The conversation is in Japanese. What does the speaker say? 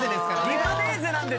リファネーゼなんで。